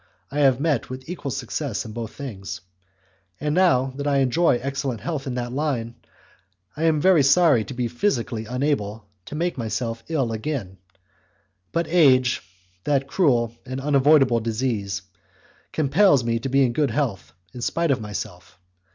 I have met with equal success in both things; and now that I enjoy excellent health in that line, I am very sorry to be physically unable to make myself ill again; but age, that cruel and unavoidable disease, compels me to be in good health in spite of myself.